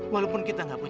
walaupun kita gak peduli